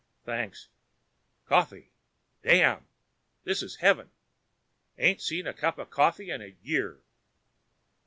Thanks. Coffee? Damn! This is heaven. Ain't seen a cup of coffee in a year.